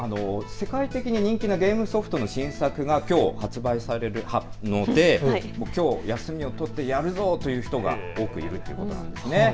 世界的に人気なゲームソフトの新作がきょう発売されるのできょう休みを取ってやるぞという人が多くいるということなんです。